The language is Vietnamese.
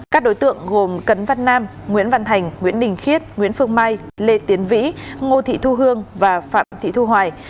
các đối tượng gồm cấn văn nam nguyễn văn thành nguyễn đình khiết nguyễn phương mai lê tiến vĩ ngô thị thu hương và phạm thị thu hoài